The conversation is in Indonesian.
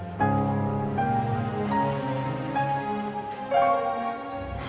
cucu teh jadi takut berdoa soal itu